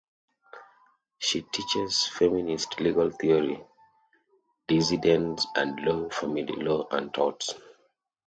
She teaches Feminist Legal Theory, Dissidence and Law, Family Law, and Torts.